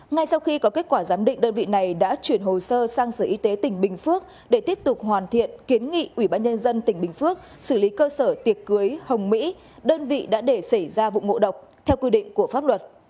ngay sau khi có kết quả giám định đơn vị này đã chuyển hồ sơ sang sở y tế tỉnh bình phước để tiếp tục hoàn thiện kiến nghị ủy ban nhân dân tỉnh bình phước xử lý cơ sở tiệc cưới hồng mỹ đơn vị đã để xảy ra vụ ngộ độc theo quy định của pháp luật